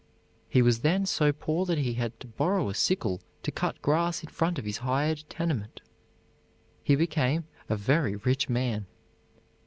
He was then so poor that he had to borrow a sickle to cut grass in front of his hired tenement. He became a very rich man.